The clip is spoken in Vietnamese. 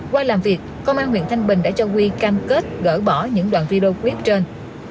qua làm việc công an huyện thanh bình đã cho quy cam kết gỡ bỏ những đoạn video clip trên